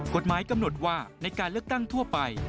กฎหมายกำหนดว่าในการเลือกตั้งทั่วไป